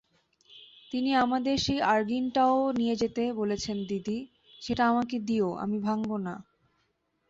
তিনি আমাদের সেই আর্গিনটাও নিয়ে যেতে বলেছেন দিদি, সেটা আমাকে দিয়ো–আমি ভাঙব না।